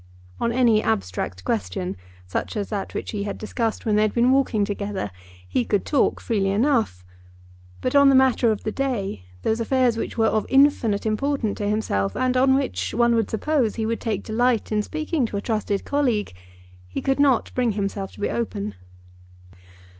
On any abstract question, such as that which he had discussed when they had been walking together, he could talk freely enough. But on the matter of the day, those affairs which were of infinite importance to himself, and on which one would suppose he would take delight in speaking to a trusted colleague, he could not bring himself to be open.